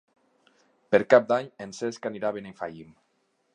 Per Cap d'Any en Cesc anirà a Benifallim.